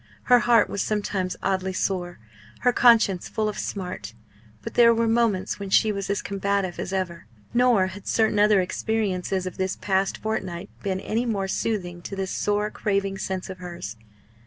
Her heart was sometimes oddly sore; her conscience full of smart; but there were moments when she was as combative as ever. Nor had certain other experiences of this past fortnight been any more soothing to this sore craving sense of hers.